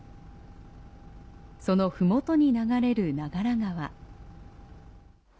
その麓に流れる長良川。